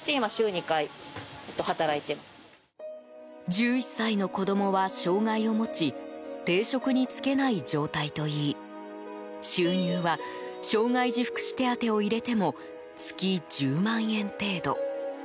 １１歳の子供は障害を持ち定職に就けない状態といい収入は障害児福祉手当を入れても月１０万円程度。